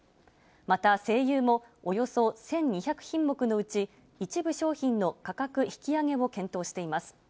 また西友も、およそ１２００品目のうち、一部商品の価格引き上げを検討しています。